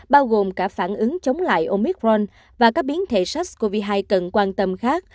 bao gồm cả phản ứng chống lại omicron và các biến thể sars cov hai cần quan tâm khác